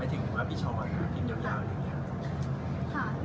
ไหมถึงว่าพี่ช้อนหรือพิมยาวอยู่อย่างนี้